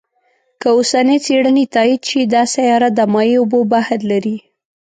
که اوسنۍ څېړنې تایید شي، دا سیاره د مایع اوبو بحر لري.